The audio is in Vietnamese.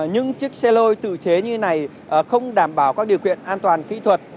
những chiếc xe lôi tự chế như này không đảm bảo các điều kiện an toàn kỹ thuật